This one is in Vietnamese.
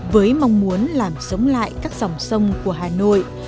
với mong muốn làm sống lại các dòng sông của hà nội